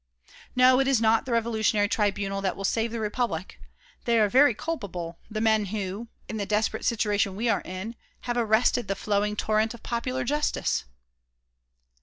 No, it is not the Revolutionary Tribunal will save the Republic. They are very culpable, the men who, in the desperate situation we are in, have arrested the flowing torrent of popular justice!"